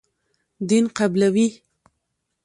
دین قبولوي.